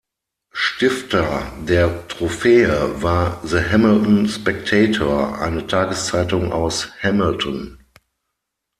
Stifter der Trophäe war "The Hamilton Spectator", eine Tageszeitung aus Hamilton.